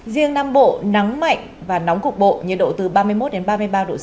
riêng nam bộ nắng mạnh và nóng cục bộ nhiệt độ từ ba mươi một ba mươi ba độ c